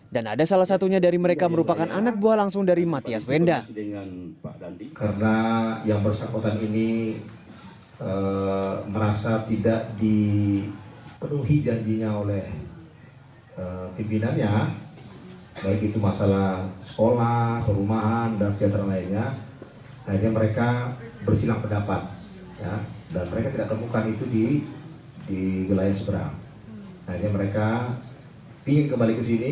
dan ada salah satunya dari mereka merupakan anak buah langsung dari mathias wenda